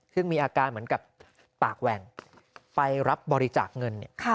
ซึ่งมีอาการเหมือนกับปากแหว่งไปรับบริจาคเงิน